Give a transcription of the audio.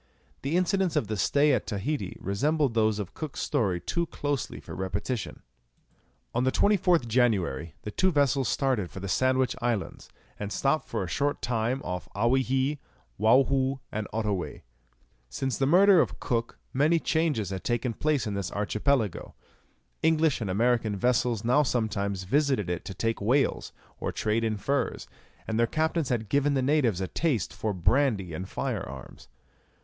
The incidents of the stay at Tahiti resemble those of Cook's story too closely for repetition. On the 24th January the two vessels started for the Sandwich Islands, and stopped for a short time off Owyhee, Waohoo, and Ottoway. Since the murder of Cook many changes had taken place in this archipelago. English and American vessels now sometimes visited it to take whales, or trade in furs, and their captains had given the natives a taste for brandy and fire arms.